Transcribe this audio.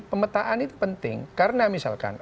pemetaan itu penting karena misalkan